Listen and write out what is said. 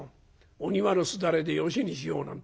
『お庭のすだれでよしにしよう』なんてね。